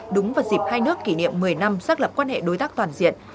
đúng vào dịp hai nước kỷ niệm một mươi năm xác lập quan hệ đối tác toàn diện